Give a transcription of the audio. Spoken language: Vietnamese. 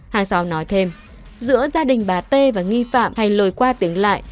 hàng xóm nói thêm giữa gia đình bà t và nghi phạm hay lồi qua tiếng lại